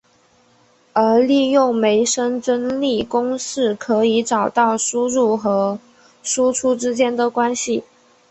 而利用梅森增益公式可以找到输入和输出之间的关系。